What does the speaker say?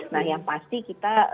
nah yang pasti kita